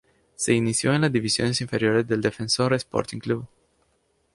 Se inició en las divisiones inferiores del Defensor Sporting Club.